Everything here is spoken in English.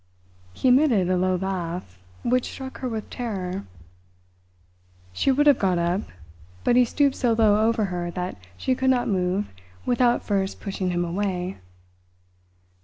He emitted a low laugh, which struck her with terror. She would have got up, but he stooped so low over her that she could not move without first pushing him away.